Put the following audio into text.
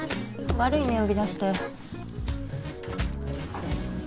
悪いね呼び出して。